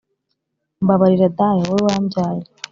mbabarira dawe wowe wambyaye